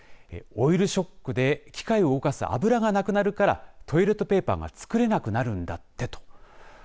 オイルショックで機械を動かす油がなくなるからトイレットペーパーが作れなくなるんだってと。